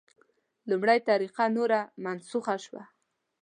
لومړۍ طریقه نوره منسوخه شوه.